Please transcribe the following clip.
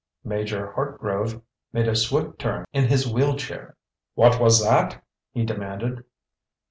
Major Hartgrove made a swift turn in his wheel chair. "What was that?" he demanded.